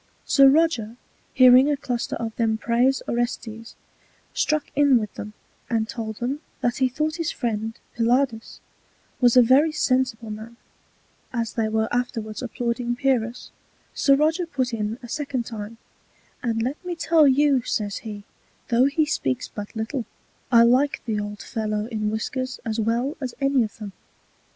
Sir Roger hearing a Cluster of them praise Orestes, struck in with them, and told them, that he thought his Friend Pylades was a very sensible Man; as they were afterwards applauding Pyrrhus, Sir Roger put in a second time; And let me tell you, says he, though he speaks but little, I like the old Fellow in Whiskers as well as any of them.